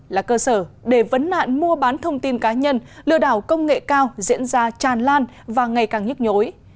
là cơ sở để vấn nạn mua bán thông tin cá nhân lừa đảo công nghệ cao diễn ra tràn lan và ngày càng nhức nhối